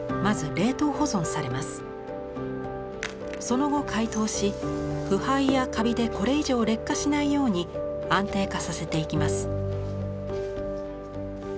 その後解凍し腐敗やカビでこれ以上劣化しないように安定化させていきます。